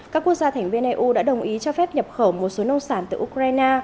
các quốc gia thành viên eu đã đồng ý cho phép nhập khẩu một số nông sản từ ukraine